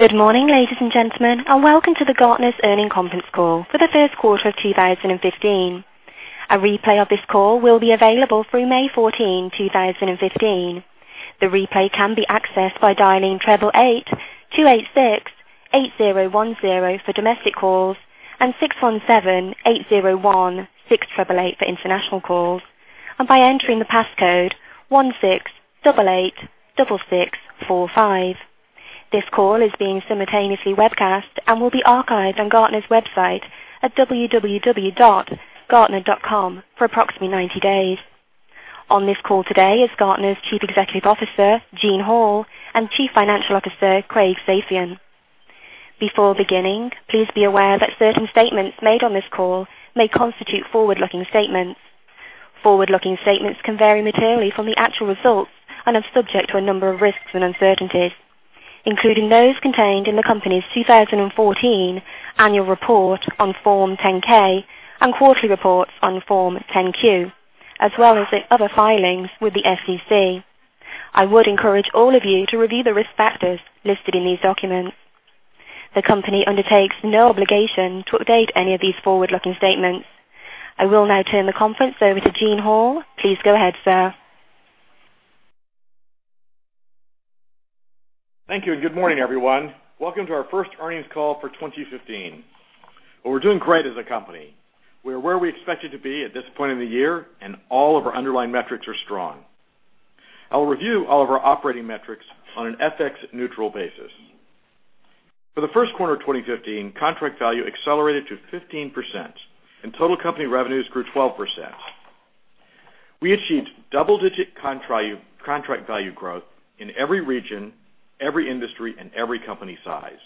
Good morning, ladies and gentlemen, and welcome to Gartner's Earnings Conference Call for the first quarter of 2015. A replay of this call will be available through May 14, 2015. The replay can be accessed by dialing 888-286-8010 for domestic calls and 617-801-6888 for international calls, and by entering the passcode 16886645. This call is being simultaneously webcast and will be archived on Gartner's website at www.gartner.com for approximately 90 days. On this call today is Gartner's Chief Executive Officer, Gene Hall, and Chief Financial Officer, Craig Safian. Before beginning, please be aware that certain statements made on this call may constitute forward-looking statements. Forward-looking statements can vary materially from the actual results and are subject to a number of risks and uncertainties, including those contained in the company's 2014 annual report on Form 10-K and quarterly reports on Form 10-Q, as well as the other filings with the SEC. I would encourage all of you to review the risk factors listed in these documents. The company undertakes no obligation to update any of these forward-looking statements. I will now turn the conference over to Gene Hall. Please go ahead, sir. Thank you, and good morning, everyone. Welcome to our first earnings call for 2015. Well, we're doing great as a company. We are where we expected to be at this point in the year, and all of our underlying metrics are strong. I'll review all of our operating metrics on an FX neutral basis. For the first quarter of 2015, contract value accelerated to 15%, and total company revenues grew 12%. We achieved double-digit contract value growth in every region, every industry, and every company size.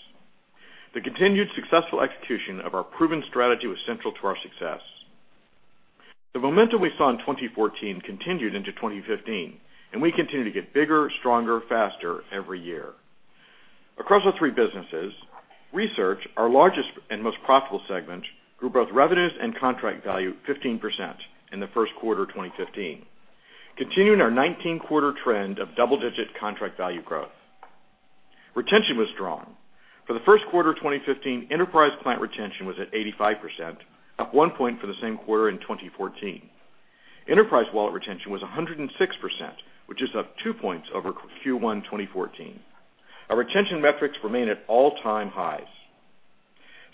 The continued successful execution of our proven strategy was central to our success. The momentum we saw in 2014 continued into 2015, and we continue to get bigger, stronger, faster every year. Across our three businesses, research, our largest and most profitable segment, grew both revenues and contract value 15% in the first quarter of 2015, continuing our 19-quarter trend of double-digit contract value growth. Retention was strong. For the first quarter of 2015, enterprise client retention was at 85%, up one point for the same quarter in 2014. Enterprise wallet retention was 106%, which is up two points over Q1 2014. Our retention metrics remain at all-time highs.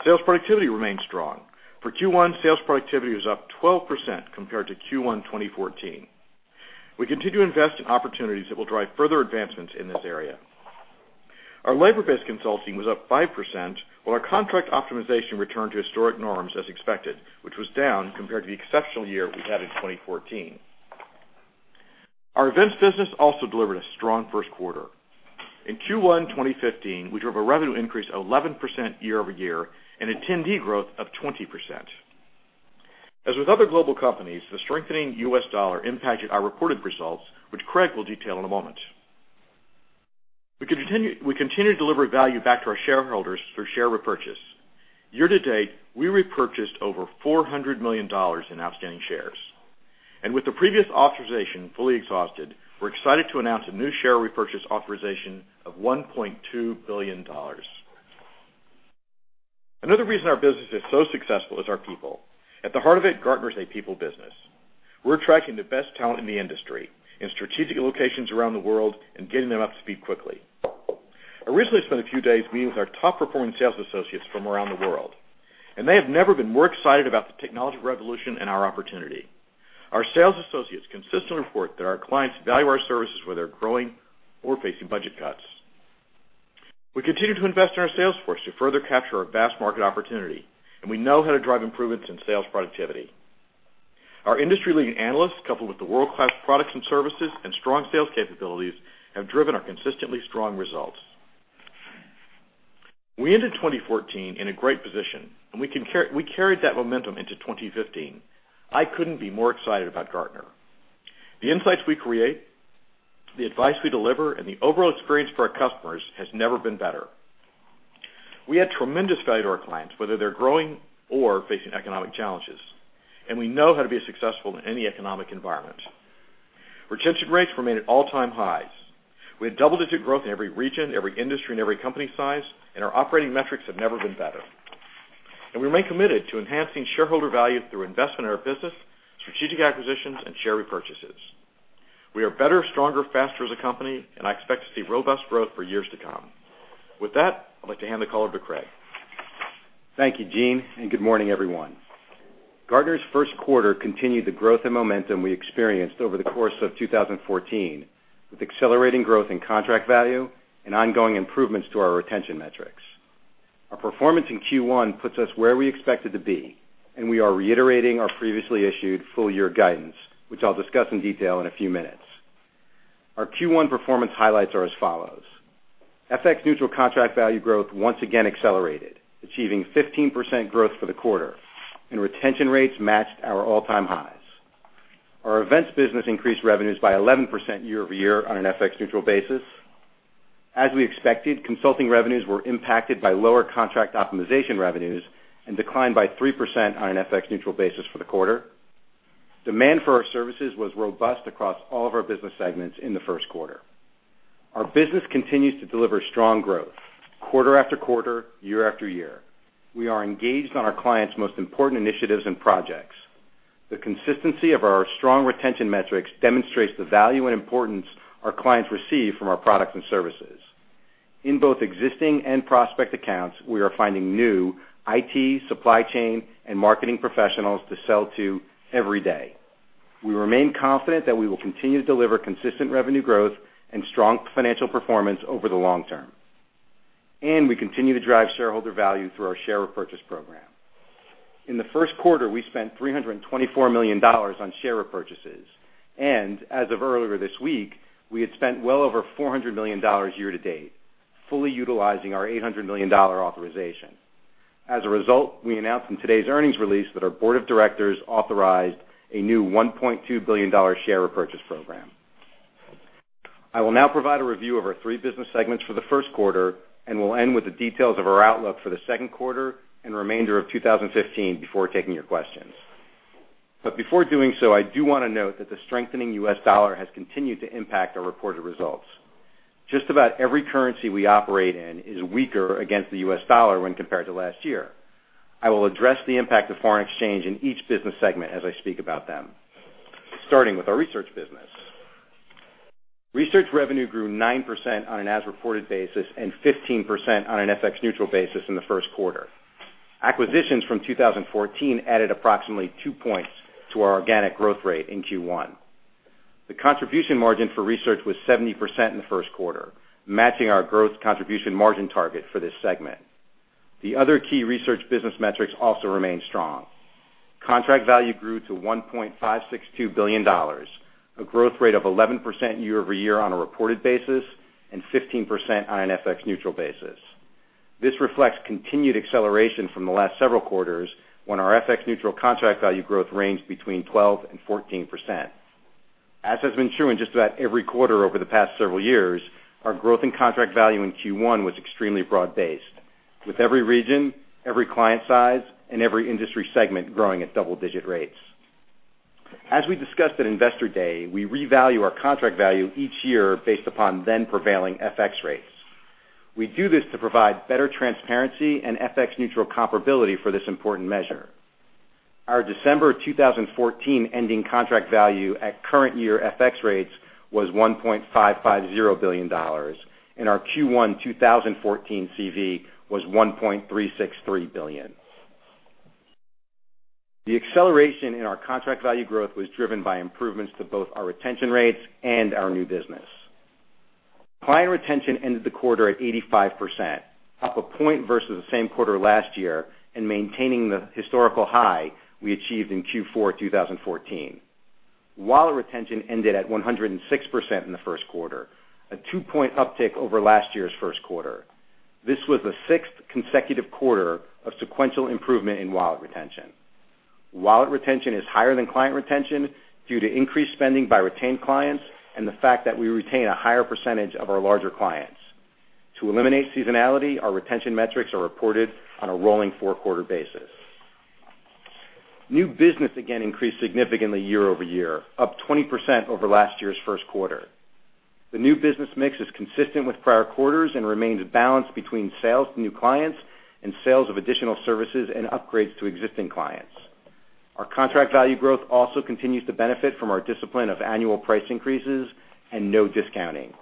Sales productivity remains strong. For Q1, sales productivity was up 12% compared to Q1 2014. We continue to invest in opportunities that will drive further advancements in this area. Our labor-based consulting was up 5%, while our Contract Optimization returned to historic norms as expected, which was down compared to the exceptional year we had in 2014. Our events business also delivered a strong first quarter. In Q1 2015, we drove a revenue increase of 11% year-over-year and attendee growth of 20%. As with other global companies, the strengthening US dollar impacted our reported results, which Craig will detail in a moment. We continue to deliver value back to our shareholders through share repurchase. Year-to-date, we repurchased over $400 million in outstanding shares. With the previous authorization fully exhausted, we're excited to announce a new share repurchase authorization of $1.2 billion. Another reason our business is so successful is our people. At the heart of it, Gartner is a people business. We're attracting the best talent in the industry, in strategic locations around the world, and getting them up to speed quickly. I recently spent a few days meeting with our top-performing sales associates from around the world. They have never been more excited about the technology revolution and our opportunity. Our sales associates consistently report that our clients value our services, whether growing or facing budget cuts. We continue to invest in our sales force to further capture our vast market opportunity. We know how to drive improvements in sales productivity. Our industry-leading analysts, coupled with the world-class products and services, and strong sales capabilities, have driven our consistently strong results. We ended 2014 in a great position. We carried that momentum into 2015. I couldn't be more excited about Gartner. The insights we create, the advice we deliver, and the overall experience for our customers has never been better. We add tremendous value to our clients, whether they're growing or facing economic challenges. We know how to be successful in any economic environment. Retention rates remain at all-time highs. We had double-digit growth in every region, every industry, every company size. Our operating metrics have never been better. We remain committed to enhancing shareholder value through investment in our business, strategic acquisitions, and share repurchases. We are better, stronger, faster as a company. I expect to see robust growth for years to come. With that, I'd like to hand the call over to Craig. Thank you, Gene. Good morning, everyone. Gartner's first quarter continued the growth and momentum we experienced over the course of 2014, with accelerating growth in contract value and ongoing improvements to our retention metrics. Our performance in Q1 puts us where we expected to be. We are reiterating our previously issued full-year guidance, which I'll discuss in detail in a few minutes. Our Q1 performance highlights are as follows. FX neutral contract value growth once again accelerated, achieving 15% growth for the quarter. Retention rates matched our all-time highs. Our events business increased revenues by 11% year-over-year on an FX neutral basis. As we expected, consulting revenues were impacted by lower Contract Optimization revenues and declined by 3% on an FX neutral basis for the quarter. Demand for our services was robust across all of our business segments in the first quarter. Our business continues to deliver strong growth quarter after quarter, year after year. We are engaged on our clients' most important initiatives and projects. The consistency of our strong retention metrics demonstrates the value and importance our clients receive from our products and services. In both existing and prospect accounts, we are finding new IT, supply chain, and marketing professionals to sell to every day. We remain confident that we will continue to deliver consistent revenue growth and strong financial performance over the long term. We continue to drive shareholder value through our share repurchase program. In the first quarter, we spent $324 million on share repurchases, and as of earlier this week, we had spent well over $400 million year to date, fully utilizing our $800 million authorization. As a result, we announced in today's earnings release that our board of directors authorized a new $1.2 billion share repurchase program. I will now provide a review of our three business segments for the first quarter, and will end with the details of our outlook for the second quarter and remainder of 2015 before taking your questions. Before doing so, I do want to note that the strengthening US dollar has continued to impact our reported results. Just about every currency we operate in is weaker against the US dollar when compared to last year. I will address the impact of foreign exchange in each business segment as I speak about them. Starting with our research business. Research revenue grew 9% on an as-reported basis and 15% on an FX-neutral basis in the first quarter. Acquisitions from 2014 added approximately two points to our organic growth rate in Q1. The contribution margin for research was 70% in the first quarter, matching our growth contribution margin target for this segment. The other key research business metrics also remain strong. Contract value grew to $1.562 billion, a growth rate of 11% year-over-year on a reported basis and 15% on an FX-neutral basis. This reflects continued acceleration from the last several quarters when our FX-neutral contract value growth ranged between 12% and 14%. As has been true in just about every quarter over the past several years, our growth in contract value in Q1 was extremely broad-based, with every region, every client size, and every industry segment growing at double-digit rates. As we discussed at Investor Day, we revalue our contract value each year based upon then-prevailing FX rates. We do this to provide better transparency and FX-neutral comparability for this important measure. Our December 2014 ending contract value at current year FX rates was $1.550 billion, and our Q1 2014 CV was $1.363 billion. The acceleration in our contract value growth was driven by improvements to both our retention rates and our new business. Client retention ended the quarter at 85%, up a point versus the same quarter last year and maintaining the historical high we achieved in Q4 2014. Wallet retention ended at 106% in the first quarter, a two-point uptick over last year's first quarter. This was the sixth consecutive quarter of sequential improvement in wallet retention. Wallet retention is higher than client retention due to increased spending by retained clients and the fact that we retain a higher percentage of our larger clients. To eliminate seasonality, our retention metrics are reported on a rolling four-quarter basis. New business again increased significantly year-over-year, up 20% over last year's first quarter. The new business mix is consistent with prior quarters and remains balanced between sales to new clients and sales of additional services and upgrades to existing clients. Our contract value growth also continues to benefit from our discipline of annual price increases and no discounting.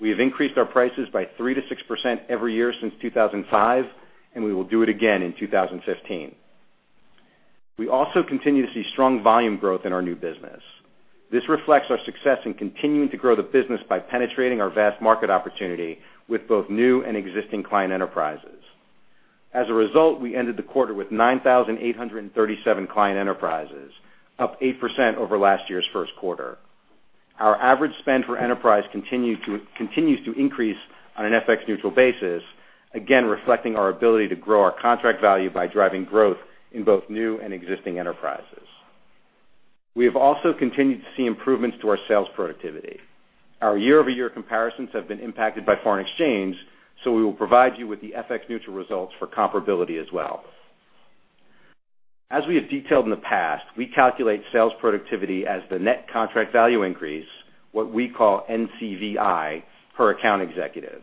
We have increased our prices by 3%-6% every year since 2005, and we will do it again in 2015. We also continue to see strong volume growth in our new business. This reflects our success in continuing to grow the business by penetrating our vast market opportunity with both new and existing client enterprises. As a result, we ended the quarter with 9,837 client enterprises, up 8% over last year's first quarter. Our average spend per enterprise continues to increase on an FX-neutral basis, again reflecting our ability to grow our contract value by driving growth in both new and existing enterprises. We have also continued to see improvements to our sales productivity. Our year-over-year comparisons have been impacted by foreign exchange, so we will provide you with the FX-neutral results for comparability as well. As we have detailed in the past, we calculate sales productivity as the net contract value increase, what we call NCVI, per account executive.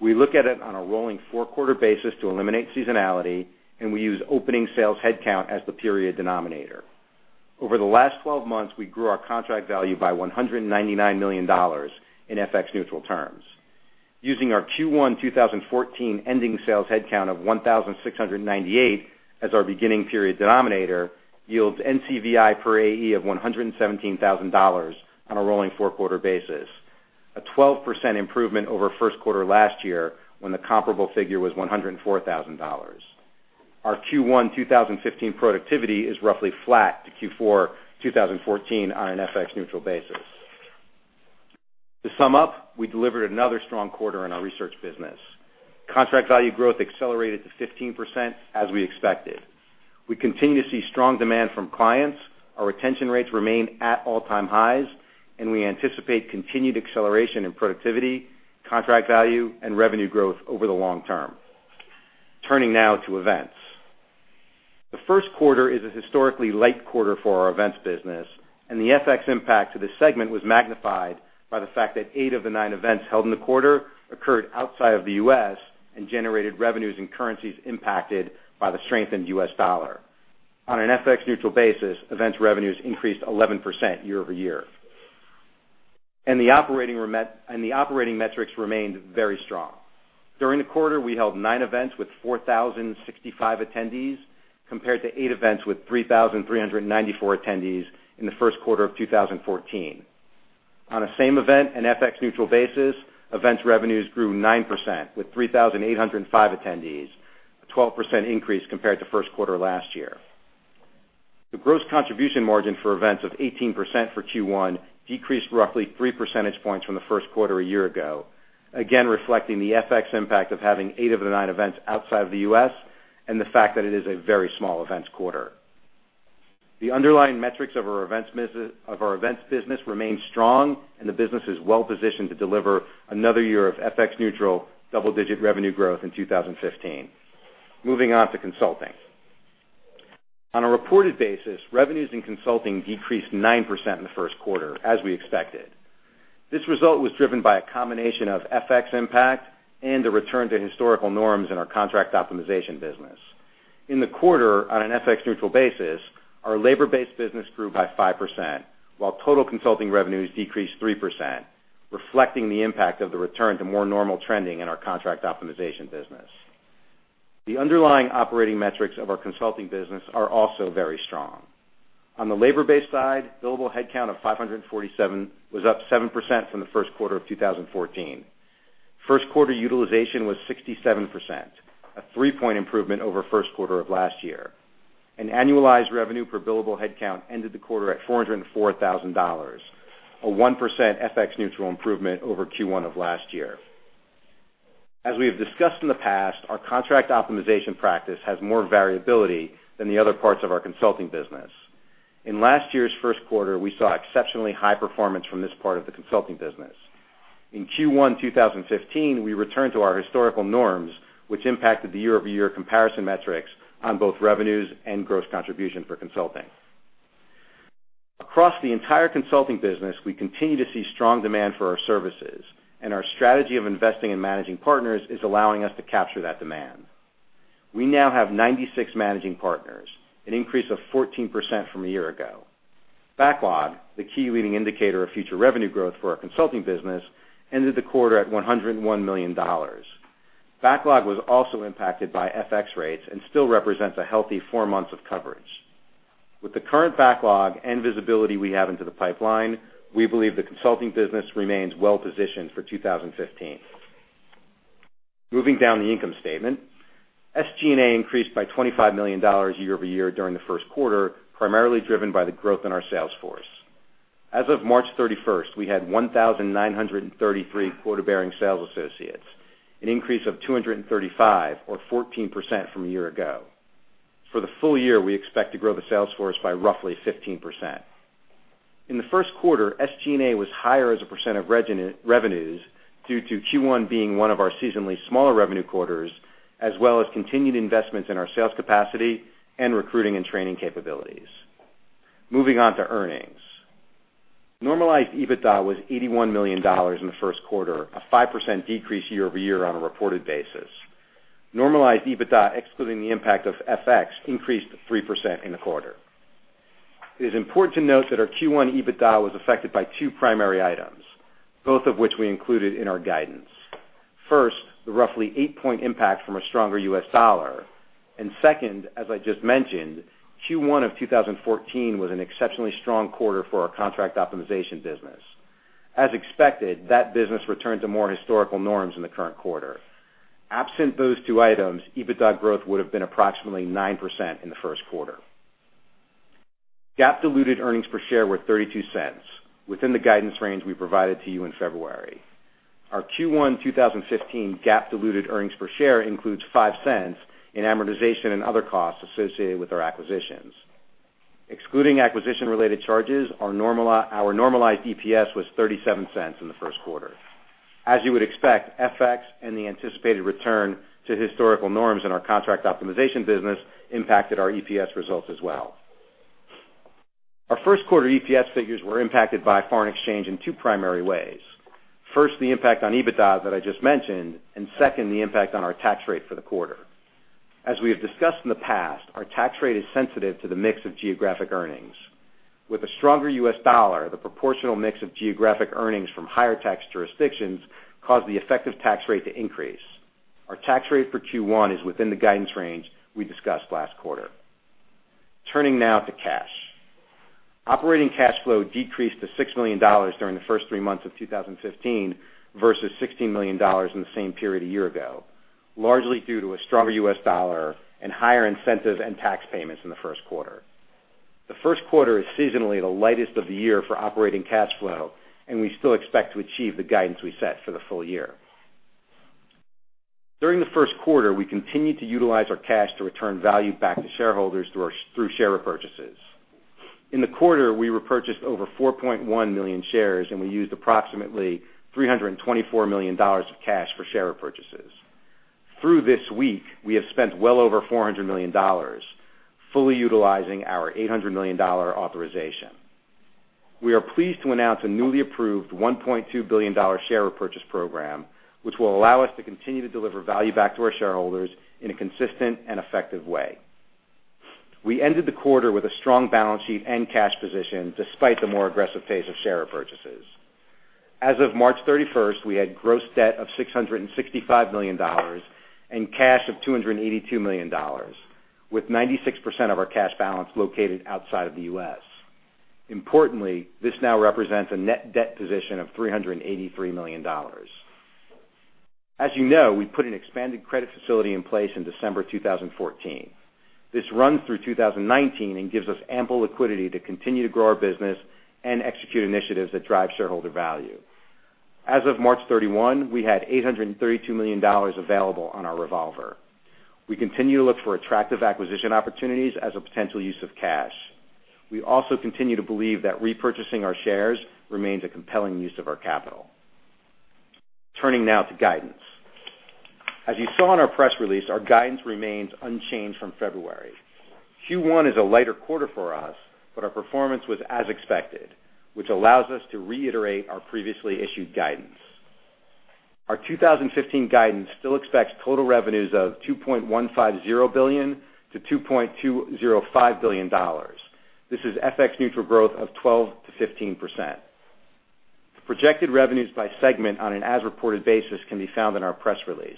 We look at it on a rolling four-quarter basis to eliminate seasonality, and we use opening sales headcount as the period denominator. Over the last 12 months, we grew our contract value by $199 million in FX-neutral terms. Using our Q1 2014 ending sales headcount of 1,698 as our beginning period denominator yields NCVI per AE of $117,000 on a rolling four-quarter basis, a 12% improvement over first quarter last year when the comparable figure was $104,000. Our Q1 2015 productivity is roughly flat to Q4 2014 on an FX-neutral basis. To sum up, we delivered another strong quarter in our research business. Contract value growth accelerated to 15% as we expected. We continue to see strong demand from clients. Our retention rates remain at all-time highs, and we anticipate continued acceleration in productivity, contract value, and revenue growth over the long term. Turning now to events. The first quarter is a historically light quarter for our events business, and the FX impact to this segment was magnified by the fact that eight of the nine events held in the quarter occurred outside of the U.S. and generated revenues and currencies impacted by the strengthened US dollar. On an FX-neutral basis, events revenues increased 11% year-over-year. And the operating metrics remained very strong. During the quarter, we held nine events with 4,065 attendees, compared to eight events with 3,394 attendees in the first quarter of 2014. On a same event and FX-neutral basis, events revenues grew 9% with 3,805 attendees, a 12% increase compared to first quarter last year. The gross contribution margin for events of 18% for Q1 decreased roughly three percentage points from the first quarter a year ago, again reflecting the FX impact of having eight of the nine events outside of the U.S. and the fact that it is a very small events quarter. The underlying metrics of our events business remain strong, and the business is well positioned to deliver another year of FX neutral double-digit revenue growth in 2015. Moving on to consulting. On a reported basis, revenues in consulting decreased 9% in the first quarter, as we expected. This result was driven by a combination of FX impact and a return to historical norms in our Contract Optimization business. In the quarter, on an FX neutral basis, our labor-based business grew by 5%, while total consulting revenues decreased 3%, reflecting the impact of the return to more normal trending in our Contract Optimization business. The underlying operating metrics of our consulting business are also very strong. On the labor-based side, billable headcount of 547 was up 7% from the first quarter of 2014. First quarter utilization was 67%, a three-point improvement over first quarter of last year. An annualized revenue per billable headcount ended the quarter at $404,000, a 1% FX neutral improvement over Q1 of last year. As we have discussed in the past, our Contract Optimization practice has more variability than the other parts of our consulting business. In last year's first quarter, we saw exceptionally high performance from this part of the consulting business. In Q1 2015, we returned to our historical norms, which impacted the year-over-year comparison metrics on both revenues and gross contribution for consulting. Across the entire consulting business, we continue to see strong demand for our services, and our strategy of investing in managing partners is allowing us to capture that demand. We now have 96 managing partners, an increase of 14% from a year ago. Backlog, the key leading indicator of future revenue growth for our consulting business, ended the quarter at $101 million. Backlog was also impacted by FX rates and still represents a healthy four months of coverage. With the current backlog and visibility we have into the pipeline, we believe the consulting business remains well positioned for 2015. Moving down the income statement, SG&A increased by $25 million year-over-year during the first quarter, primarily driven by the growth in our sales force. As of March 31st, we had 1,933 quota-bearing sales associates, an increase of 235 or 14% from a year ago. For the full year, we expect to grow the sales force by roughly 15%. In the first quarter, SG&A was higher as a percent of revenues due to Q1 being one of our seasonally smaller revenue quarters, as well as continued investments in our sales capacity and recruiting and training capabilities. Moving on to earnings. Normalized EBITDA was $81 million in the first quarter, a 5% decrease year-over-year on a reported basis. Normalized EBITDA, excluding the impact of FX, increased 3% in the quarter. It is important to note that our Q1 EBITDA was affected by two primary items, both of which we included in our guidance. First, the roughly eight-point impact from a stronger U.S. dollar. Second, as I just mentioned, Q1 2014 was an exceptionally strong quarter for our Contract Optimization business. As expected, that business returned to more historical norms in the current quarter. Absent those two items, EBITDA growth would have been approximately 9% in the first quarter. GAAP diluted earnings per share were $0.32, within the guidance range we provided to you in February. Our Q1 2015 GAAP diluted earnings per share includes $0.05 in amortization and other costs associated with our acquisitions. Excluding acquisition-related charges, our normalized EPS was $0.37 in the first quarter. As you would expect, FX and the anticipated return to historical norms in our Contract Optimization business impacted our EPS results as well. Our first quarter EPS figures were impacted by foreign exchange in two primary ways. First, the impact on EBITDA that I just mentioned, second, the impact on our tax rate for the quarter. As we have discussed in the past, our tax rate is sensitive to the mix of geographic earnings. With a stronger U.S. dollar, the proportional mix of geographic earnings from higher tax jurisdictions caused the effective tax rate to increase. Our tax rate for Q1 is within the guidance range we discussed last quarter. Turning now to cash. Operating cash flow decreased to $6 million during the first three months of 2015 versus $16 million in the same period a year ago, largely due to a stronger U.S. dollar and higher incentives and tax payments in the first quarter. The first quarter is seasonally the lightest of the year for operating cash flow, we still expect to achieve the guidance we set for the full year. During the first quarter, we continued to utilize our cash to return value back to shareholders through share repurchases. In the quarter, we repurchased over 4.1 million shares, we used approximately $324 million of cash for share repurchases. Through this week, we have spent well over $400 million, fully utilizing our $800 million authorization. We are pleased to announce a newly approved $1.2 billion share repurchase program, which will allow us to continue to deliver value back to our shareholders in a consistent and effective way. We ended the quarter with a strong balance sheet and cash position, despite the more aggressive pace of share repurchases. As of March 31st, we had gross debt of $665 million in cash of $282 million, with 96% of our cash balance located outside of the U.S. Importantly, this now represents a net debt position of $383 million. As you know, we put an expanded credit facility in place in December 2014. This runs through 2019, gives us ample liquidity to continue to grow our business and execute initiatives that drive shareholder value. As of March 31, we had $832 million available on our revolver. We continue to look for attractive acquisition opportunities as a potential use of cash. We also continue to believe that repurchasing our shares remains a compelling use of our capital. Turning now to guidance. As you saw in our press release, our guidance remains unchanged from February. Q1 is a lighter quarter for us, our performance was as expected, which allows us to reiterate our previously issued guidance. Our 2015 guidance still expects total revenues of $2.150 billion-$2.205 billion. This is FX-neutral growth of 12%-15%. The projected revenues by segment on an as-reported basis can be found in our press release.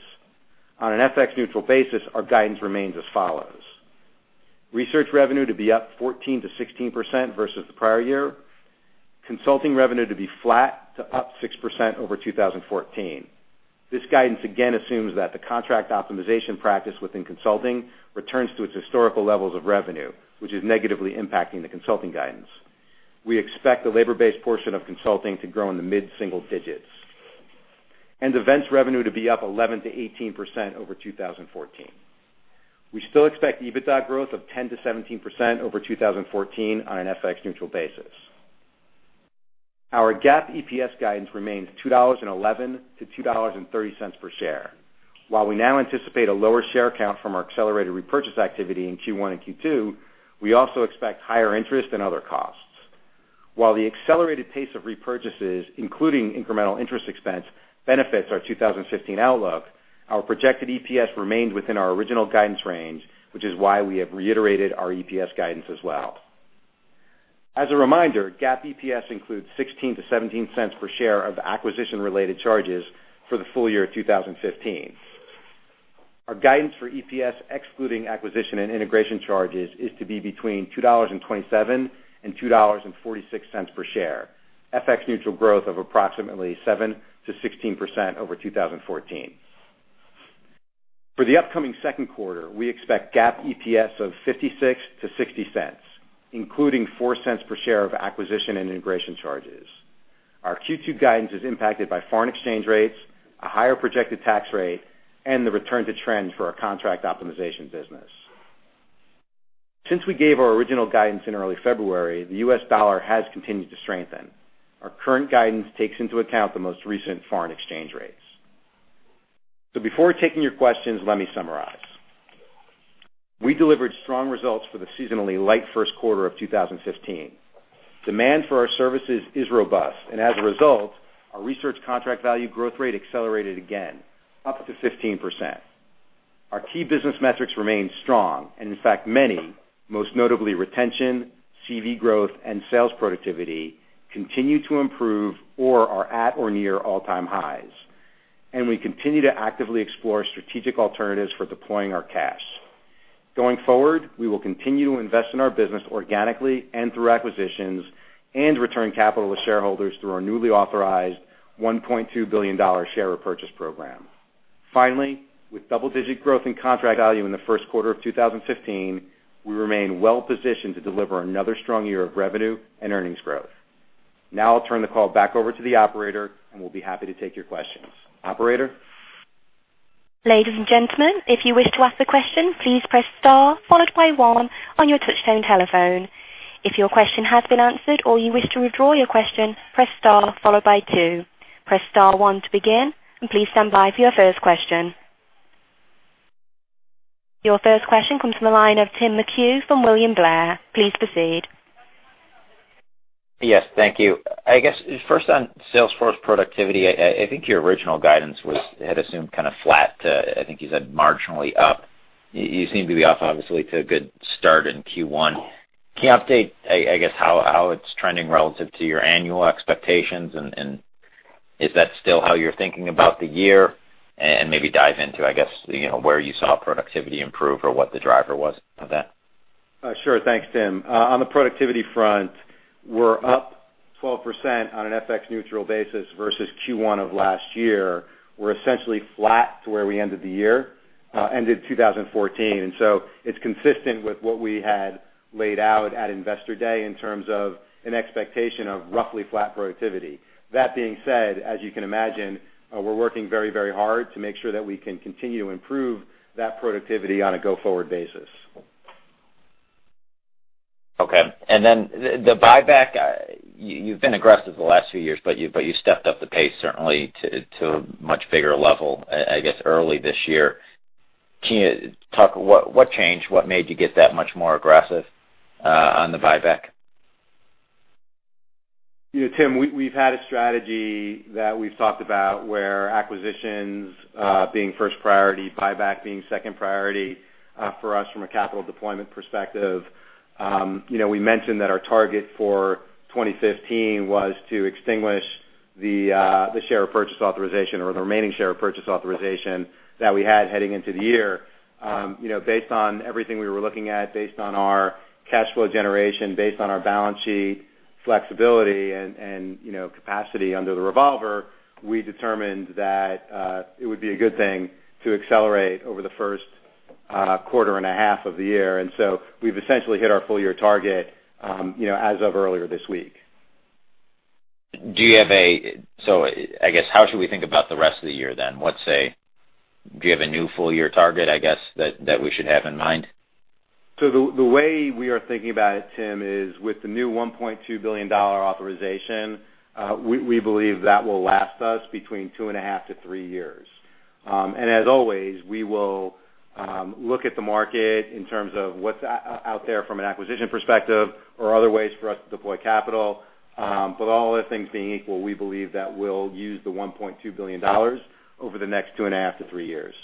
On an FX-neutral basis, our guidance remains as follows: Research revenue to be up 14%-16% versus the prior year. Consulting revenue to be flat to up 6% over 2014. This guidance again assumes that the Contract Optimization practice within consulting returns to its historical levels of revenue, which is negatively impacting the consulting guidance. We expect the labor-based portion of consulting to grow in the mid-single digits. Events revenue to be up 11%-18% over 2014. We still expect EBITDA growth of 10%-17% over 2014 on an FX-neutral basis. Our GAAP EPS guidance remains $2.11-$2.30 per share. While we now anticipate a lower share count from our accelerated repurchase activity in Q1 and Q2, we also expect higher interest and other costs. While the accelerated pace of repurchases, including incremental interest expense, benefits our 2015 outlook, our projected EPS remained within our original guidance range, which is why we have reiterated our EPS guidance as well. As a reminder, GAAP EPS includes $0.16-$0.17 per share of acquisition-related charges for the full year of 2015. Our guidance for EPS, excluding acquisition and integration charges, is to be between $2.27 and $2.46 per share, FX-neutral growth of approximately 7%-16% over 2014. For the upcoming second quarter, we expect GAAP EPS of $0.56-$0.60, including $0.04 per share of acquisition and integration charges. Our Q2 guidance is impacted by foreign exchange rates, a higher projected tax rate, and the return to trend for our Contract Optimization business. Since we gave our original guidance in early February, the US dollar has continued to strengthen. Our current guidance takes into account the most recent foreign exchange rates. Before taking your questions, let me summarize. We delivered strong results for the seasonally light first quarter of 2015. Demand for our services is robust, and as a result, our research contract value growth rate accelerated again, up to 15%. Our key business metrics remain strong, and in fact, many, most notably retention, CV growth, and sales productivity, continue to improve or are at or near all-time highs. We continue to actively explore strategic alternatives for deploying our cash. Going forward, we will continue to invest in our business organically and through acquisitions, and return capital to shareholders through our newly authorized $1.2 billion share repurchase program. Finally, with double-digit growth in contract value in the first quarter of 2015, we remain well-positioned to deliver another strong year of revenue and earnings growth. Now I'll turn the call back over to the operator, and we'll be happy to take your questions. Operator? Ladies and gentlemen, if you wish to ask a question, please press star followed by one on your touch-tone telephone. If your question has been answered or you wish to withdraw your question, press star followed by two. Press star one to begin, and please stand by for your first question. Your first question comes from the line of Tim McHugh from William Blair. Please proceed. Yes. Thank you. I guess, first on sales force productivity, I think your original guidance had assumed kind of flat to, I think you said marginally up. You seem to be off, obviously, to a good start in Q1. Can you update, I guess, how it's trending relative to your annual expectations? Is that still how you're thinking about the year? Maybe dive into, I guess, where you saw productivity improve or what the driver was of that. Sure. Thanks, Tim. On the productivity front, we're up 12% on an FX-neutral basis versus Q1 of last year. We're essentially flat to where we ended the year, ended 2014. It's consistent with what we had laid out at Investor Day in terms of an expectation of roughly flat productivity. That being said, as you can imagine, we're working very hard to make sure that we can continue to improve that productivity on a go-forward basis. Okay. The buyback, you've been aggressive the last few years, but you stepped up the pace certainly to a much bigger level, I guess, early this year. Can you talk what changed? What made you get that much more aggressive on the buyback? Tim, we've had a strategy that we've talked about where acquisitions being first priority, buyback being second priority for us from a capital deployment perspective. We mentioned that our target for 2015 was to extinguish the share purchase authorization, or the remaining share purchase authorization that we had heading into the year. Based on everything we were looking at, based on our cash flow generation, based on our balance sheet flexibility and capacity under the revolver, we determined that it would be a good thing to accelerate over the first quarter and a half of the year. We've essentially hit our full-year target as of earlier this week. I guess, how should we think about the rest of the year then? Do you have a new full-year target, I guess, that we should have in mind? The way we are thinking about it, Tim, is with the new $1.2 billion authorization, we believe that will last us between two and a half to three years. As always, we will look at the market in terms of what's out there from an acquisition perspective or other ways for us to deploy capital. All other things being equal, we believe that we'll use the $1.2 billion over the next two and a half to three years.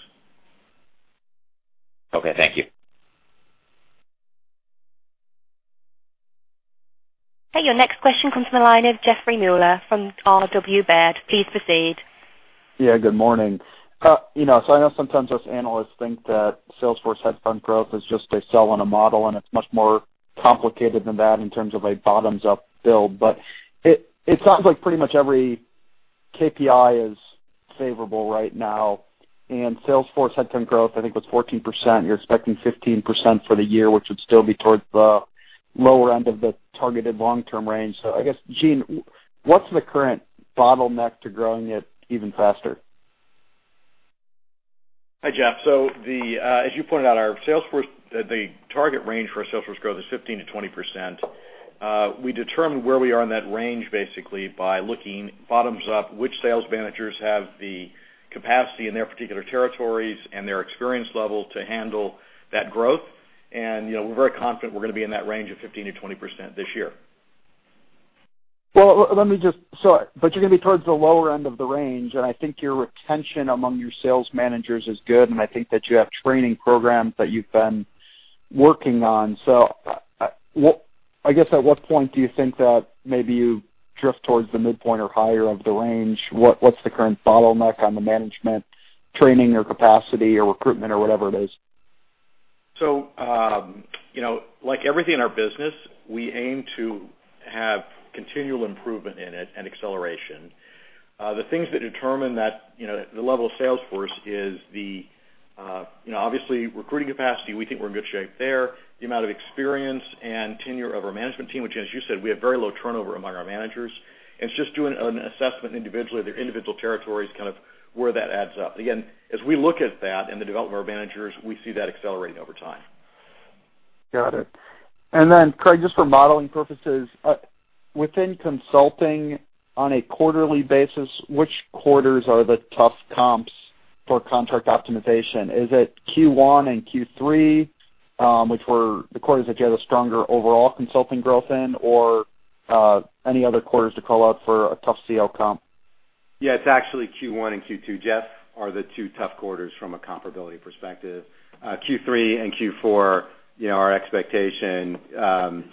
Okay. Thank you. Hey, your next question comes from the line of Jeffrey Meuler from RW Baird. Please proceed. Yeah. Good morning. I know sometimes us analysts think that sales force headcount growth is just a sell on a model, it's much more complicated than that in terms of a bottoms-up build. It sounds like pretty much every KPI is favorable right now, sales force headcount growth, I think, was 14%. You're expecting 15% for the year, which would still be towards the lower end of the targeted long-term range. I guess, Gene, what's the current bottleneck to growing it even faster? Hi, Jeff. As you pointed out, the target range for our sales force growth is 15%-20%. We determine where we are in that range basically by looking bottoms up, which sales managers have the capacity in their particular territories and their experience level to handle that growth. We're very confident we're going to be in that range of 15%-20% this year. Well, let me just. You're going to be towards the lower end of the range, I think your retention among your sales managers is good, I think that you have training programs that you've been working on. I guess at what point do you think that maybe you drift towards the midpoint or higher of the range? What's the current bottleneck on the management training or capacity or recruitment or whatever it is? Like everything in our business, we aim to have continual improvement in it and acceleration. The things that determine that, the level of salesforce is the, obviously recruiting capacity, we think we're in good shape there. The amount of experience and tenure of our management team, which as you said, we have very low turnover among our managers. It's just doing an assessment individually of their individual territories, kind of where that adds up. Again, as we look at that and the development of our managers, we see that accelerating over time. Got it. Craig, just for modeling purposes, within consulting on a quarterly basis, which quarters are the tough comps for Contract Optimization? Is it Q1 and Q3, which were the quarters that you had a stronger overall consulting growth in? Or any other quarters to call out for a tough CO comp? It's actually Q1 and Q2, Jeff, are the two tough quarters from a comparability perspective. Q3 and Q4, our expectation is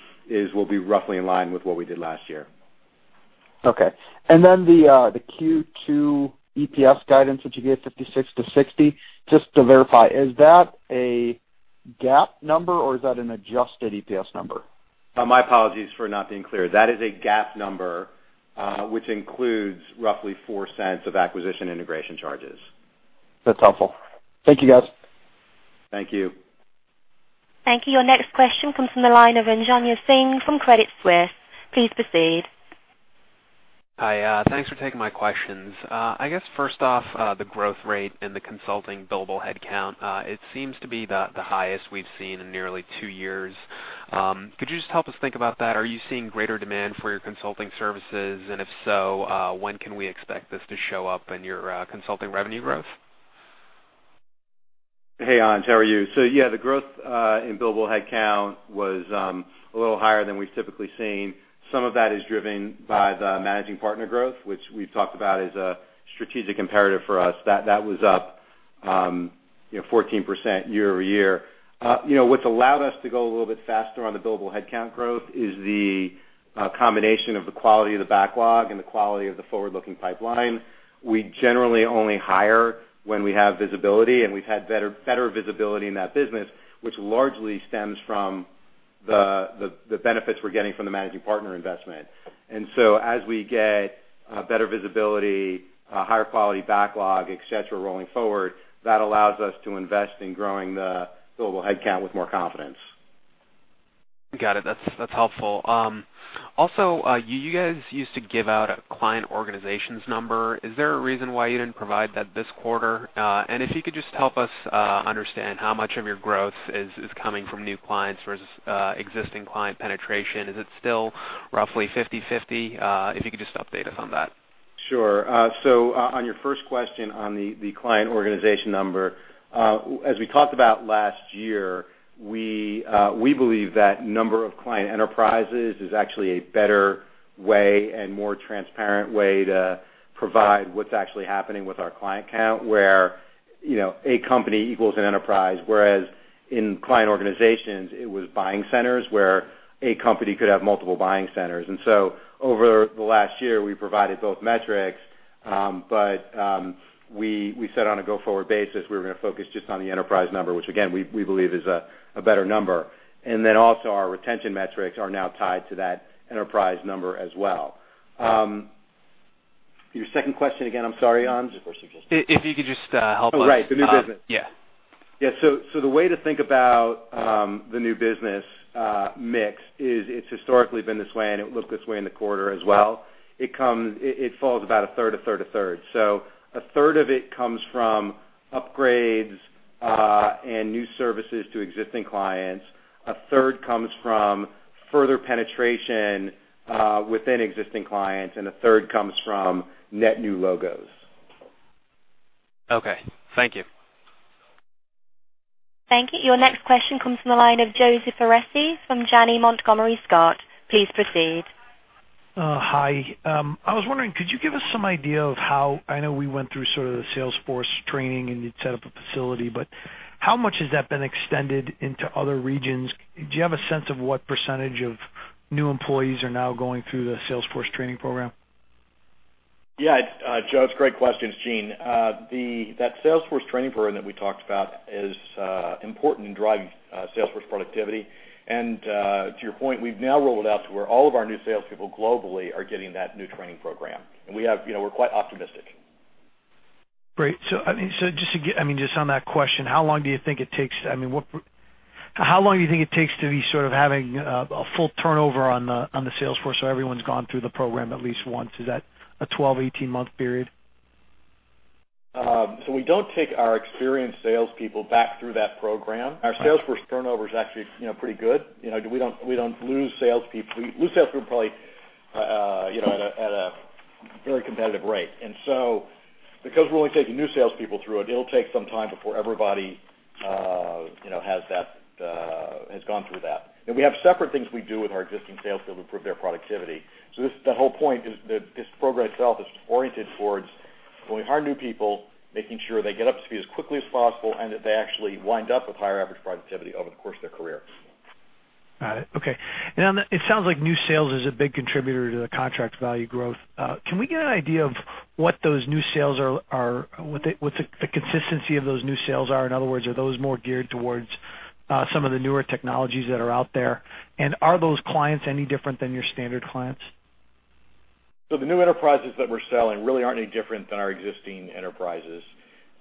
we'll be roughly in line with what we did last year. The Q2 EPS guidance that you gave, $0.56-$0.60, just to verify, is that a GAAP number or is that an adjusted EPS number? My apologies for not being clear. That is a GAAP number, which includes roughly $0.04 of acquisition integration charges. That's helpful. Thank you, guys. Thank you. Thank you. Your next question comes from the line of Anj Shrivanstan from Credit Suisse. Please proceed. Hi. Thanks for taking my questions. I guess first off, the growth rate in the consulting billable headcount, it seems to be the highest we've seen in nearly two years. Could you just help us think about that? Are you seeing greater demand for your consulting services? If so, when can we expect this to show up in your consulting revenue growth? Hey, Anj, how are you? Yeah, the growth in billable headcount was a little higher than we've typically seen. Some of that is driven by the managing partner growth, which we've talked about is a strategic imperative for us. That was up 14% year-over-year. What's allowed us to go a little bit faster on the billable headcount growth is the combination of the quality of the backlog and the quality of the forward-looking pipeline. We generally only hire when we have visibility, and we've had better visibility in that business, which largely stems from the benefits we're getting from the managing partner investment. As we get better visibility, higher quality backlog, et cetera, rolling forward, that allows us to invest in growing the billable headcount with more confidence. Got it. That's helpful. Also, you guys used to give out a Client Organizations number. Is there a reason why you didn't provide that this quarter? If you could just help us understand how much of your growth is coming from new clients versus existing client penetration. Is it still roughly 50/50? If you could just update us on that. Sure. On your first question on the Client Organizations number, as we talked about last year, we believe that number of Client Enterprises is actually a better way and more transparent way to provide what's actually happening with our client count, where a company equals an enterprise, whereas in Client Organizations, it was buying centers where a company could have multiple buying centers. Over the last year, we provided both metrics, but we said on a go-forward basis, we were going to focus just on the enterprise number, which again, we believe is a better number. Also, our retention metrics are now tied to that enterprise number as well. Your second question again, I'm sorry, Anj, of course you just. If you could just help us. Oh, right. The new business. Yeah. Yeah. The way to think about the new business mix is it's historically been this way, and it looked this way in the quarter as well. It falls about a third, a third, a third. A third of it comes from upgrades and new services to existing clients. A third comes from further penetration within existing clients, and a third comes from net new logos. Okay. Thank you. Thank you. Your next question comes from the line of Joseph Orsi from Janney Montgomery Scott. Please proceed. Hi. I was wondering, could you give us some idea of how I know we went through sort of the sales force training and you'd set up a facility, but how much has that been extended into other regions? Do you have a sense of what percentage of new employees are now going through the sales force training program? Yeah. Joe, it's a great question. It's Gene. That sales force training program that we talked about is important in driving sales force productivity. To your point, we've now rolled it out to where all of our new salespeople globally are getting that new training program. We're quite optimistic. Great. Just on that question, how long do you think it takes to be sort of having a full turnover on the sales force so everyone's gone through the program at least once? Is that a 12, 18-month period? We don't take our experienced salespeople back through that program. Our sales force turnover is actually pretty good. We lose salespeople probably at a very competitive rate. Because we're only taking new salespeople through it'll take some time before everybody has gone through that. We have separate things we do with our existing sales team to improve their productivity. The whole point is that this program itself is oriented towards when we hire new people, making sure they get up to speed as quickly as possible, and that they actually wind up with higher average productivity over the course of their career. Got it. Okay. It sounds like new sales is a big contributor to the contract value growth. Can we get an idea of what the consistency of those new sales are? In other words, are those more geared towards some of the newer technologies that are out there? Are those clients any different than your standard clients? The new enterprises that we're selling really aren't any different than our existing enterprises.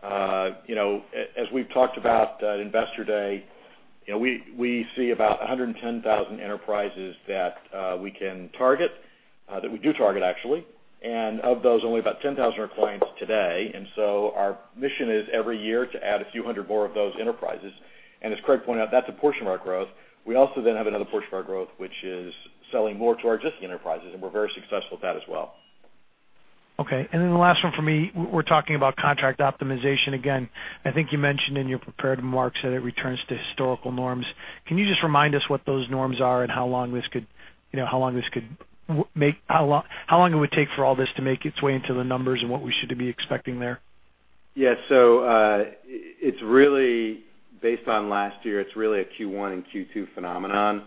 As we've talked about at Investor Day, we see about 110,000 enterprises that we can target, that we do target, actually. Of those, only about 10,000 are clients today. Our mission is every year to add a few hundred more of those enterprises. As Craig pointed out, that's a portion of our growth. We also then have another portion of our growth, which is selling more to our existing enterprises, and we're very successful at that as well. Okay. The last one for me, we're talking about Contract Optimization again. I think you mentioned in your prepared remarks that it returns to historical norms. Can you just remind us what those norms are and how long it would take for all this to make its way into the numbers and what we should be expecting there? Based on last year, it's really a Q1 and Q2 phenomenon.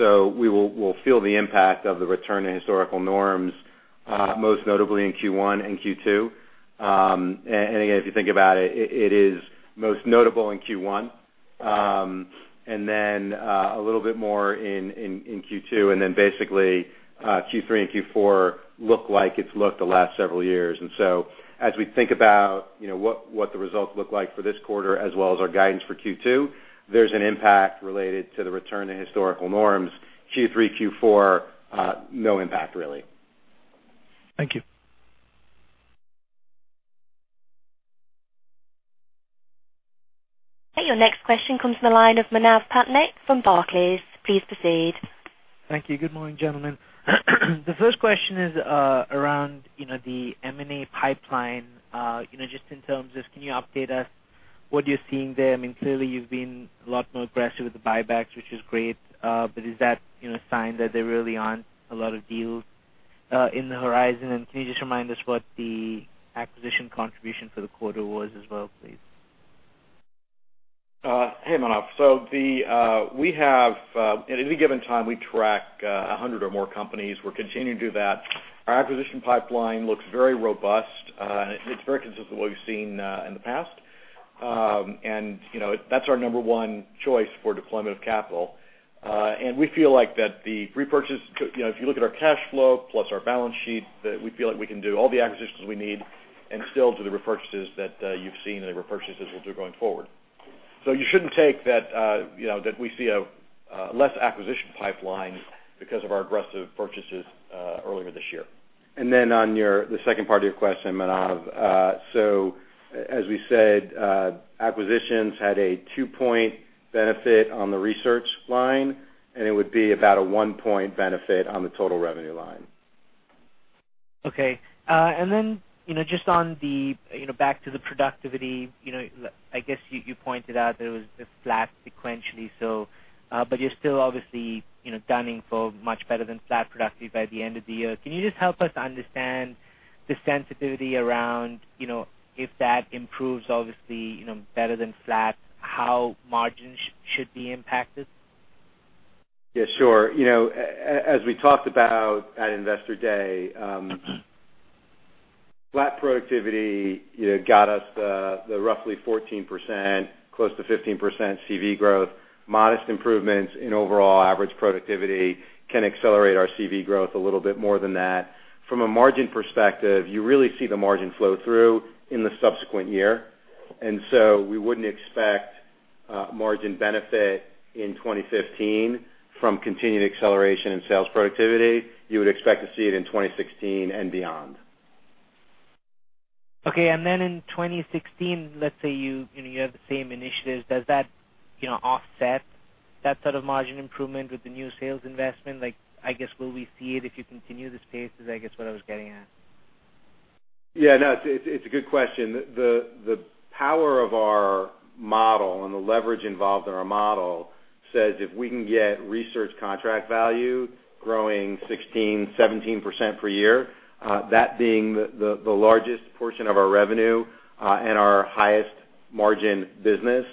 We'll feel the impact of the return to historical norms, most notably in Q1 and Q2. Again, if you think about it is most notable in Q1, and then a little bit more in Q2, and then basically Q3 and Q4 look like it's looked the last several years. As we think about what the results look like for this quarter as well as our guidance for Q2, there's an impact related to the return to historical norms. Q3, Q4, no impact really. Thank you. Okay, your next question comes from the line of Manav Patnaik from Barclays. Please proceed. Thank you. Good morning, gentlemen. The first question is around the M&A pipeline. Just in terms of, can you update us what you're seeing there? Clearly you've been a lot more aggressive with the buybacks, which is great. Is that a sign that there really aren't a lot of deals in the horizon? Can you just remind us what the acquisition contribution for the quarter was as well, please? Hey, Manav Patnaik. At any given time, we track 100 or more companies. We're continuing to do that. Our acquisition pipeline looks very robust. It's very consistent with what we've seen in the past. That's our number one choice for deployment of capital. We feel like if you look at our cash flow plus our balance sheet, that we feel like we can do all the acquisitions we need and still do the repurchases that you've seen and the repurchases we'll do going forward. You shouldn't take that we see a less acquisition pipeline because of our aggressive purchases earlier this year. On the second part of your question, Manav Patnaik. As we said, acquisitions had a two-point benefit on the research line, and it would be about a one-point benefit on the total revenue line. Okay. Back to the productivity, I guess you pointed out that it was flat sequentially, but you're still obviously gunning for much better than flat productivity by the end of the year. Can you just help us understand the sensitivity around, if that improves obviously better than flat, how margins should be impacted? Yeah, sure. As we talked about at Investor Day, flat productivity got us the roughly 14%, close to 15% CV growth. Modest improvements in overall average productivity can accelerate our CV growth a little bit more than that. From a margin perspective, you really see the margin flow through in the subsequent year. We wouldn't expect margin benefit in 2015 from continued acceleration in sales productivity. You would expect to see it in 2016 and beyond. Okay. In 2016, let's say you have the same initiatives, does that offset that sort of margin improvement with the new sales investment? I guess, will we see it if you continue this pace, is I guess what I was getting at. Yeah. No, it's a good question. The power of our model and the leverage involved in our model says if we can get research contract value growing 16%, 17% per year, that being the largest portion of our revenue, and our highest margin business,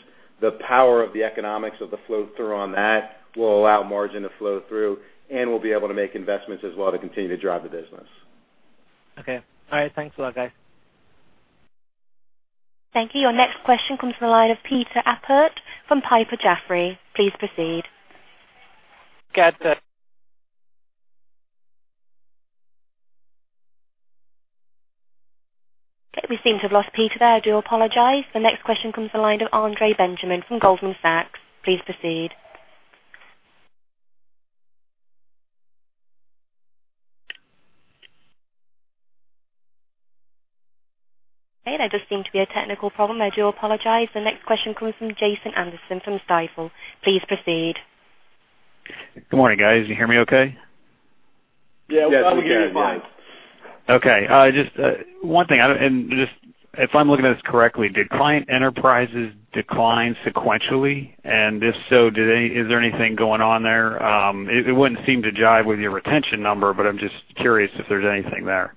the power of the economics of the flow-through on that will allow margin to flow through, and we'll be able to make investments as well to continue to drive the business. Okay. All right. Thanks a lot, guys. Thank you. Your next question comes from the line of Peter Appert from Piper Jaffray. Please proceed. Good after- Okay, we seem to have lost Peter there. I do apologize. The next question comes from the line of Andre Benjamin from Goldman Sachs. Please proceed. Okay, there does seem to be a technical problem. I do apologize. The next question comes from Jason Anderson from Stifel. Please proceed. Good morning, guys. Can you hear me okay? Yeah. We can hear you fine. Okay. Just one thing, just if I'm looking at this correctly, did client enterprises decline sequentially? If so, is there anything going on there? It wouldn't seem to jive with your retention number, but I'm just curious if there's anything there.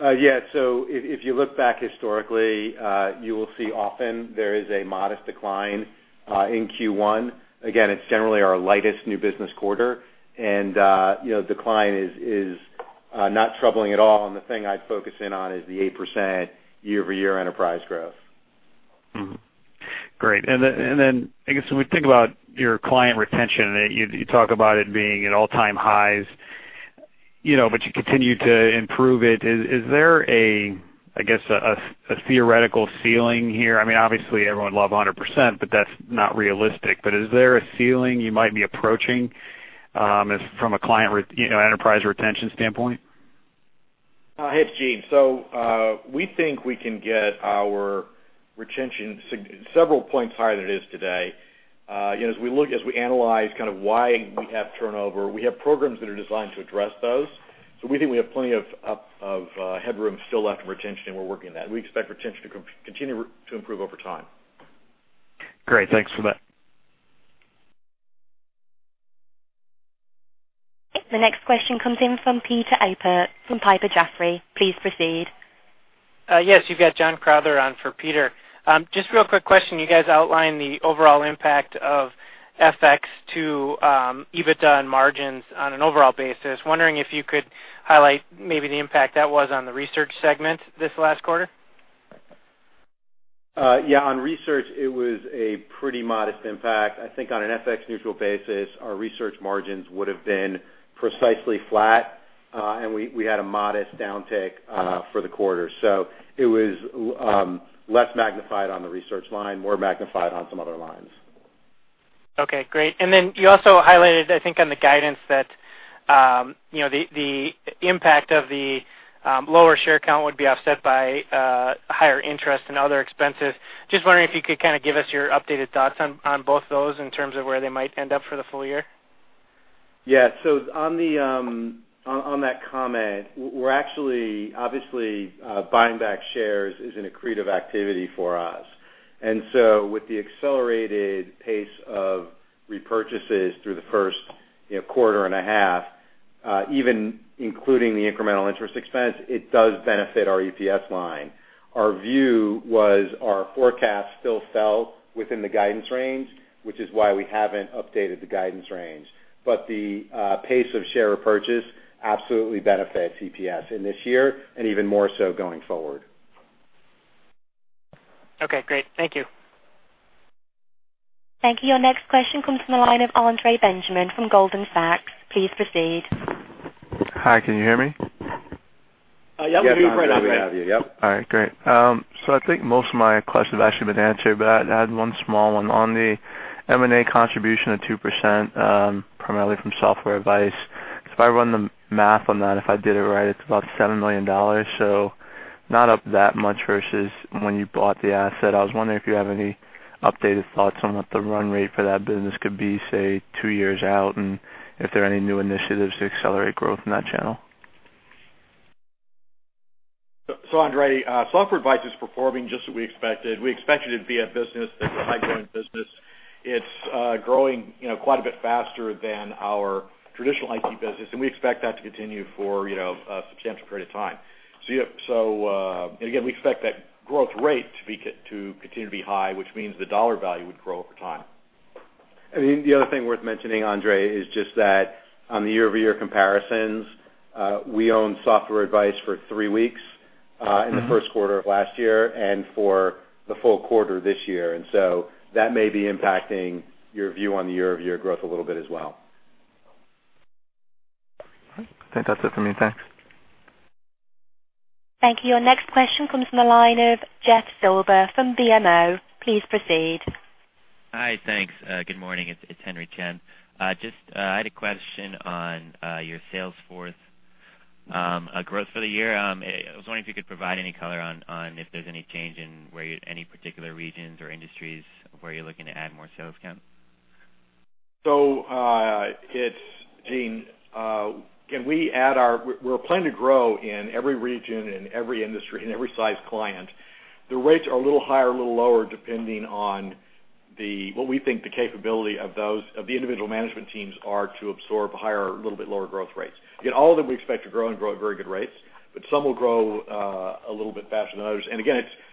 Yeah. If you look back historically, you will see often there is a modest decline in Q1. Again, it's generally our lightest new business quarter, decline is not troubling at all, the thing I'd focus in on is the 8% year-over-year enterprise growth. Mm-hmm. Great. I guess when we think about your client retention, you talk about it being at all-time highs, but you continue to improve it. Is there a, I guess, a theoretical ceiling here? Obviously everyone would love 100%, but that's not realistic. Is there a ceiling you might be approaching from a client enterprise retention standpoint? It's Gene. We think we can get our retention several points higher than it is today. As we analyze kind of why we have turnover, we have programs that are designed to address those. We think we have plenty of headroom still left in retention, we're working on that. We expect retention to continue to improve over time. Great. Thanks for that. The next question comes in from Peter Appert from Piper Jaffray. Please proceed. Yes, you've got John Crowther on for Peter. Real quick question. You guys outlined the overall impact of FX to EBITDA and margins on an overall basis. Wondering if you could highlight maybe the impact that was on the research segment this last quarter? Yeah. On research, it was a pretty modest impact. I think on an FX neutral basis, our research margins would've been precisely flat. We had a modest downtick for the quarter. It was less magnified on the research line, more magnified on some other lines. Okay, great. You also highlighted, I think on the guidance that the impact of the lower share count would be offset by higher interest and other expenses. Just wondering if you could kind of give us your updated thoughts on both those in terms of where they might end up for the full year. On that comment, we're actually, obviously, buying back shares is an accretive activity for us. With the accelerated pace of repurchases through the first quarter and a half, even including the incremental interest expense, it does benefit our EPS line. Our view was our forecast still fell within the guidance range, which is why we haven't updated the guidance range. The pace of share purchase absolutely benefits EPS in this year and even more so going forward. Okay, great. Thank you. Thank you. Your next question comes from the line of Andre Benjamin from Goldman Sachs. Please proceed. Hi, can you hear me? Yeah, we have you, Andre. Yeah. We have you. Yep. All right, great. I think most of my questions have actually been answered, but I had one small one on the M&A contribution of 2%, primarily from Software Advice. If I run the math on that, if I did it right, it's about $7 million. Not up that much versus when you bought the asset. I was wondering if you have any updated thoughts on what the run rate for that business could be, say, 2 years out, and if there are any new initiatives to accelerate growth in that channel. Andre, Software Advice is performing just as we expected. We expect it to be a business that's a high growing business. It's growing quite a bit faster than our traditional IT business, and we expect that to continue for a substantial period of time. Again, we expect that growth rate to continue to be high, which means the dollar value would grow over time. The other thing worth mentioning, Andre, is just that on the year-over-year comparisons, we own Software Advice for three weeks, in the first quarter of last year and for the full quarter this year. That may be impacting your view on the year-over-year growth a little bit as well. All right. I think that's it for me. Thanks. Thank you. Your next question comes from the line of Jeff Silber from BMO. Please proceed. Hi. Thanks. Good morning. It's Henry Chen. I had a question on your sales force growth for the year. I was wondering if you could provide any color on if there's any change in any particular regions or industries where you're looking to add more sales count. It's Gene. We're planning to grow in every region, in every industry, in every size client. The rates are a little higher, a little lower, depending on what we think the capability of the individual management teams are to absorb higher or little bit lower growth rates. All of them we expect to grow and grow at very good rates, some will grow a little bit faster than others.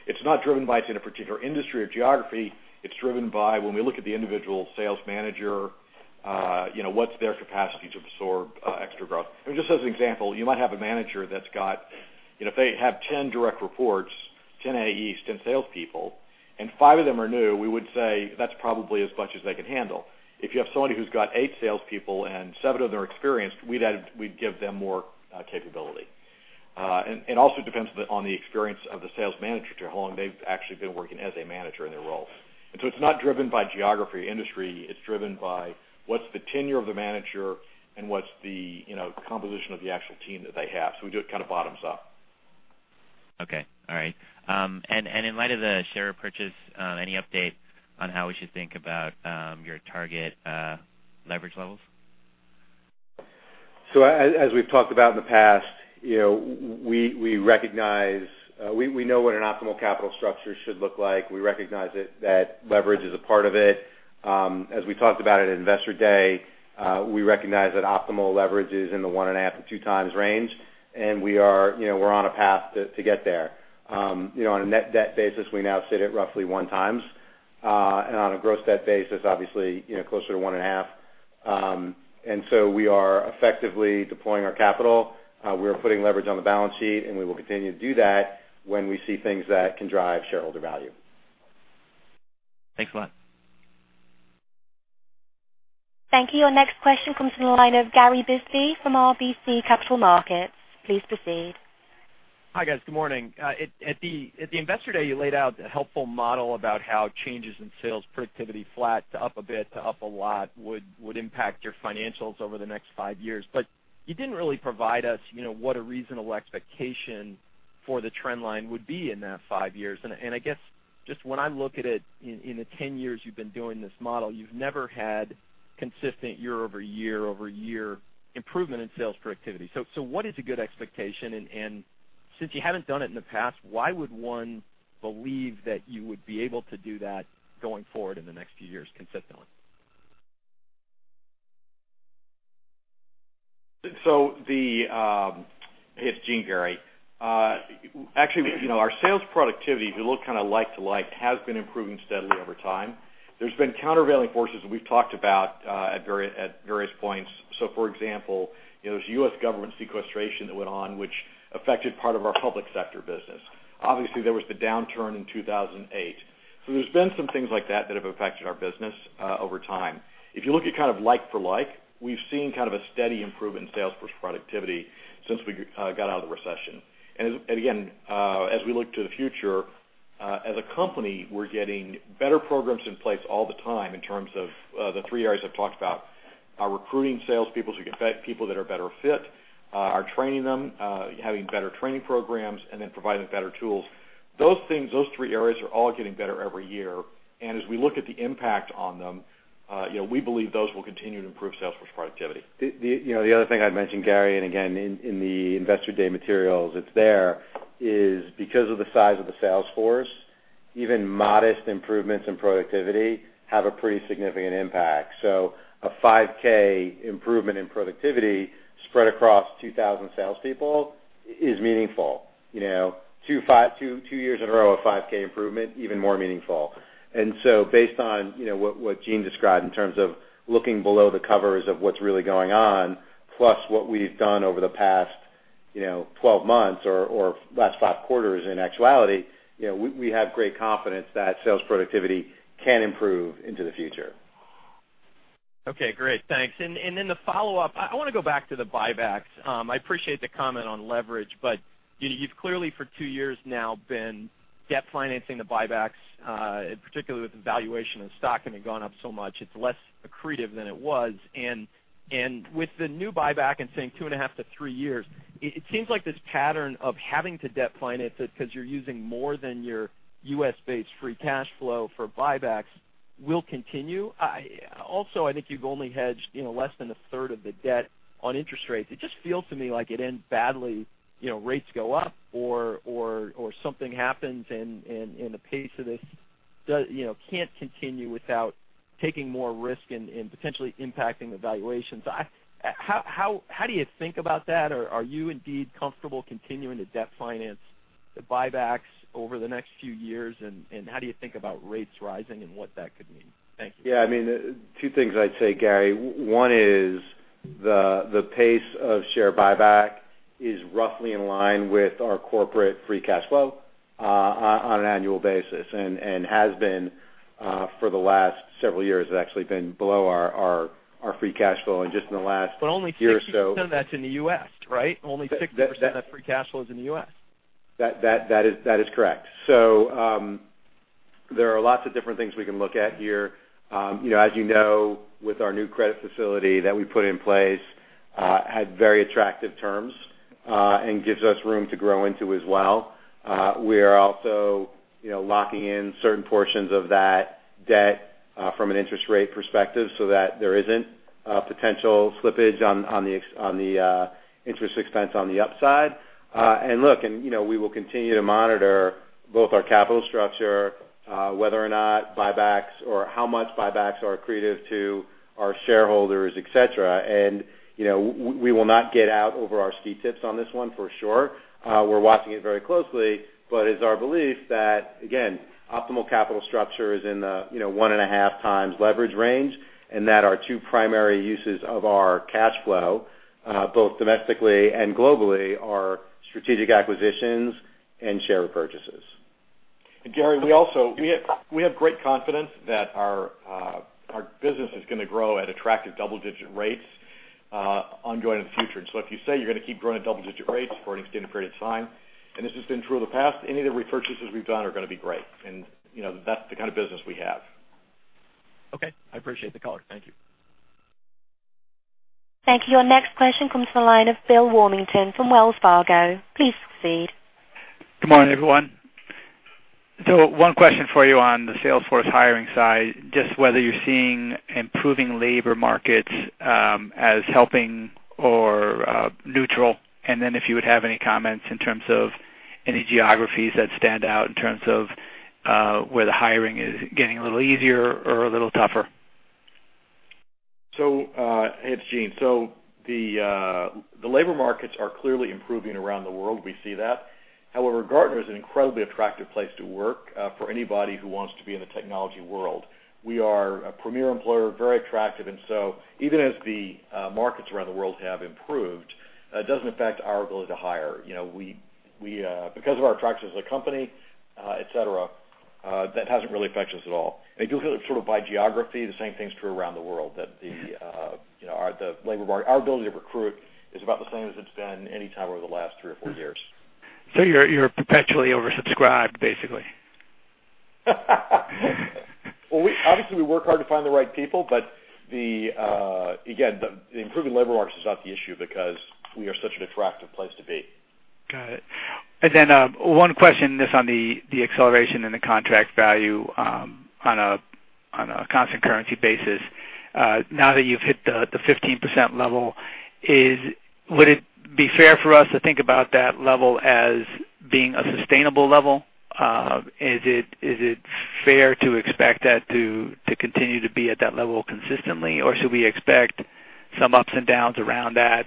It's not driven by in a particular industry or geography. It's driven by when we look at the individual sales manager, what's their capacity to absorb extra growth? As an example, you might have a manager that's got if they have 10 direct reports, 10 AEs, 10 salespeople, and five of them are new, we would say that's probably as much as they can handle. If you have somebody who's got eight salespeople and seven of them are experienced, we'd give them more capability. It also depends on the experience of the sales manager to how long they've actually been working as a manager in their role. It's not driven by geography or industry. It's driven by what's the tenure of the manager and what's the composition of the actual team that they have. We do it kind of bottoms up. Okay. All right. In light of the share purchase, any update on how we should think about your target leverage levels? As we've talked about in the past, we know what an optimal capital structure should look like. We recognize that leverage is a part of it. As we talked about at Investor Day, we recognize that optimal leverage is in the one and a half to two times range, and we're on a path to get there. On a net debt basis, we now sit at roughly one times. On a gross debt basis, obviously, closer to one and a half. We are effectively deploying our capital. We're putting leverage on the balance sheet, and we will continue to do that when we see things that can drive shareholder value. Thanks a lot. Thank you. Your next question comes from the line of Gary Bisbee from RBC Capital Markets. Please proceed. Hi, guys. Good morning. At the Investor Day, you laid out a helpful model about how changes in sales productivity flat to up a bit to up a lot would impact your financials over the next five years. You didn't really provide us what a reasonable expectation for the trend line would be in that five years. I guess, just when I look at it in the 10 years you've been doing this model, you've never had consistent year-over-year improvement in sales productivity. What is a good expectation? Since you haven't done it in the past, why would one believe that you would be able to do that going forward in the next few years consistently? Hey, it's Gene, Gary. Actually, our sales productivity, if you look kind of like to like, has been improving steadily over time. There's been countervailing forces that we've talked about at various points. For example, there was U.S. government sequestration that went on, which affected part of our public sector business. Obviously, there was the downturn in 2008. There's been some things like that that have affected our business over time. If you look at kind of like for like, we've seen kind of a steady improvement in sales force productivity since we got out of the recession. Again, as we look to the future, as a company, we're getting better programs in place all the time in terms of the three areas I've talked about. Our recruiting salespeople, so we get people that are better fit. Our training them, having better training programs, providing better tools. Those things, those three areas, are all getting better every year. As we look at the impact on them, we believe those will continue to improve sales force productivity. The other thing I'd mention, Gary, again, in the Investor Day materials it's there, is because of the size of the sales force, even modest improvements in productivity have a pretty significant impact. A $5,000 improvement in productivity spread across 2,000 salespeople is meaningful. Two years in a row, a $5,000 improvement, even more meaningful. Based on what Gene described in terms of looking below the covers of what's really going on, plus what we've done over the past 12 months or last five quarters in actuality, we have great confidence that sales productivity can improve into the future. Okay, great. Thanks. The follow-up, I want to go back to the buybacks. I appreciate the comment on leverage, but you've clearly, for two years now, been debt financing the buybacks, particularly with the valuation of stock having gone up so much, it's less accretive than it was. With the new buyback and saying two and a half to three years, it seems like this pattern of having to debt finance it because you're using more than your U.S.-based free cash flow for buybacks. Will continue. Also, I think you've only hedged less than a third of the debt on interest rates. It just feels to me like it ends badly, rates go up or something happens, the pace of this can't continue without taking more risk and potentially impacting the valuations. How do you think about that? Are you indeed comfortable continuing to debt finance the buybacks over the next few years, and how do you think about rates rising and what that could mean? Thank you. Yeah. Two things I'd say, Gary. One is the pace of share buyback is roughly in line with our corporate free cash flow on an annual basis, and has been for the last several years. It's actually been below our free cash flow in just in the last year or so. Only 60% of that's in the U.S., right? Only 60% of free cash flow is in the U.S. That is correct. There are lots of different things we can look at here. As you know, with our new credit facility that we put in place, had very attractive terms, and gives us room to grow into as well. We are also locking in certain portions of that debt from an interest rate perspective so that there isn't potential slippage on the interest expense on the upside. Look, we will continue to monitor both our capital structure, whether or not buybacks or how much buybacks are accretive to our shareholders, et cetera. We will not get out over our ski tips on this one for sure. We're watching it very closely, but it's our belief that, again, optimal capital structure is in the one and a half times leverage range, and that our two primary uses of our cash flow, both domestically and globally, are strategic acquisitions and share repurchases. Gary, we have great confidence that our business is going to grow at attractive double-digit rates ongoing in the future. So if you say you're going to keep growing at double-digit rates for an extended period of time, and this has been true in the past, any of the repurchases we've done are going to be great. That's the kind of business we have. Okay. I appreciate the color. Thank you. Thank you. Your next question comes from the line of Bill Warmington from Wells Fargo. Please proceed. Good morning, everyone. One question for you on the sales force hiring side, just whether you're seeing improving labor markets as helping or neutral, and then if you would have any comments in terms of any geographies that stand out in terms of where the hiring is getting a little easier or a little tougher. It's Gene. The labor markets are clearly improving around the world. We see that. However, Gartner is an incredibly attractive place to work for anybody who wants to be in the technology world. We are a premier employer, very attractive, even as the markets around the world have improved, it doesn't affect our ability to hire. Because of our attractiveness as a company, et cetera, that hasn't really affected us at all. If you look at it by geography, the same thing's true around the world. That our ability to recruit is about the same as it's been any time over the last three or four years. You're perpetually oversubscribed, basically. Well, obviously, we work hard to find the right people, but again, the improving labor market is not the issue because we are such an attractive place to be. Got it. One question, this on the acceleration in the contract value on a constant currency basis. Now that you've hit the 15% level, would it be fair for us to think about that level as being a sustainable level? Is it fair to expect that to continue to be at that level consistently, or should we expect some ups and downs around that?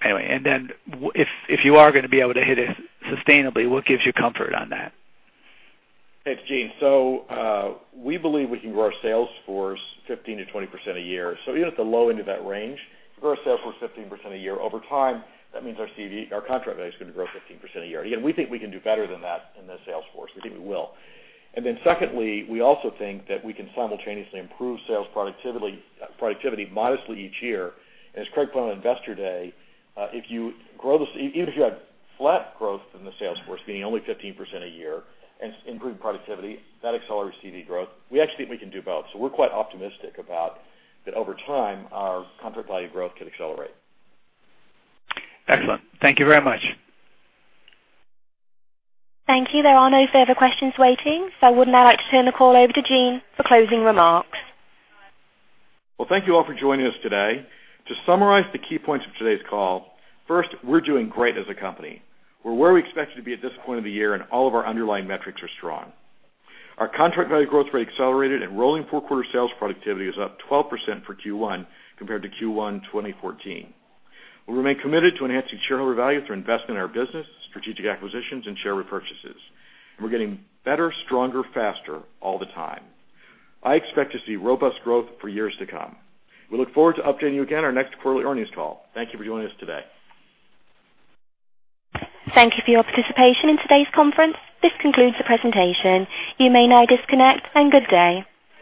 If you are going to be able to hit it sustainably, what gives you comfort on that? It's Gene. We believe we can grow our sales force 15%-20% a year. Even at the low end of that range, if we grow our sales force 15% a year, over time, that means our contract value is going to grow 15% a year. Again, we think we can do better than that in the sales force. We think we will. Secondly, we also think that we can simultaneously improve sales productivity modestly each year. As Craig put on Investor Day, even if you had flat growth in the sales force, meaning only 15% a year, and improved productivity, that accelerates CV growth. We actually think we can do both. We're quite optimistic about that over time, our contract value growth could accelerate. Excellent. Thank you very much. Thank you. There are no further questions waiting, I would now like to turn the call over to Gene for closing remarks. Well, thank you all for joining us today. To summarize the key points of today's call, first, we're doing great as a company. We're where we expected to be at this point of the year, and all of our underlying metrics are strong. Our contract value growth rate accelerated, and rolling four-quarter sales productivity is up 12% for Q1 compared to Q1 2014. We remain committed to enhancing shareholder value through investment in our business, strategic acquisitions, and share repurchases. We're getting better, stronger, faster all the time. I expect to see robust growth for years to come. We look forward to updating you again our next quarterly earnings call. Thank you for joining us today. Thank you for your participation in today's conference. This concludes the presentation. You may now disconnect, and good day.